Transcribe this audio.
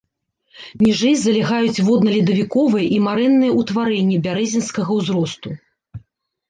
Ніжэй залягаюць водна-ледавіковыя і марэнныя ўтварэнні бярэзінскага ўзросту.